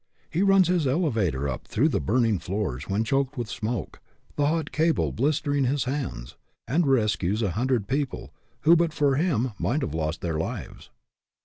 He runs his elevator up through the burning floors when choked with smoke, the hot cable blistering his hands, and rescues a hundred people who, but for him, might have lost their lives.